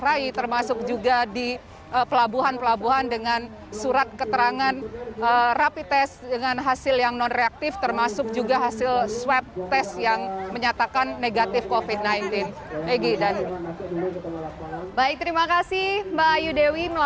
rapi test dengan hasil yang non reaktif termasuk juga hasil swab test yang menyatakan negatif covid sembilan belas